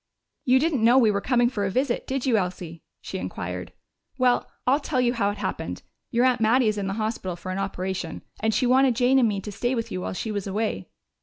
"You didn't know we were coming for a visit, did you, Elsie?" she inquired. "Well, I'll tell you how it happened: Your aunt Mattie is in the hospital for an operation, and she wanted Jane and me to stay with you while she was away."